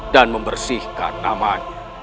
dan membersihkan namanya